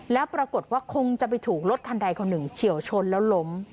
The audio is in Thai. แล้วปรากฏว่าคงจะไปถูกรถคันใดคนหนึ่งเฉียวชนแล้วล้ม